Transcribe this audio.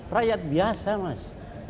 rakyat biasa mas